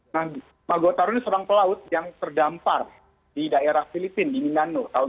nah magotaro ini seorang pelaut yang terdampar di daerah filipina di minano tahun seribu tujuh ratus enam puluh empat